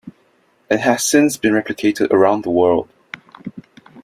It has since been replicated around the world.